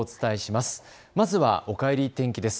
まずは、おかえり天気です。